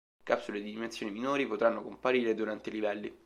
Capsule di dimensioni minori potranno comparire durante i livelli.